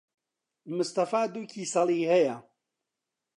مستەفا دوو کیسەڵی ھەیە.